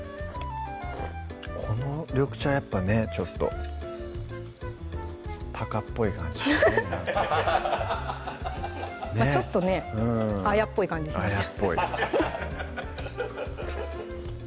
この緑茶やっぱねちょっと鷹っぽい感じなんかちょっとね綾っぽい感じしましたよね